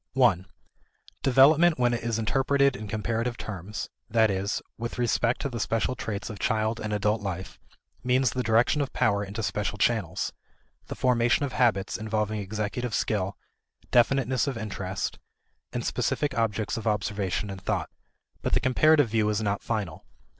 1. Development when it is interpreted in comparative terms, that is, with respect to the special traits of child and adult life, means the direction of power into special channels: the formation of habits involving executive skill, definiteness of interest, and specific objects of observation and thought. But the comparative view is not final.